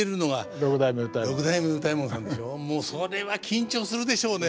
もうそれは緊張するでしょうね。